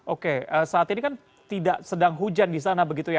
oke saat ini kan tidak sedang hujan di sana begitu ya